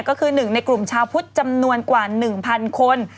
ก็คือหนึ่งในกลุ่มชาวพุทธจำนวนกว่าหนึ่งพันคน